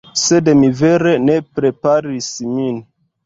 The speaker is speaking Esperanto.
Sed mi vere ne preparis min